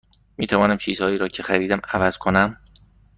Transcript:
می توانم چیزهایی را که خریدم عوض کنم؟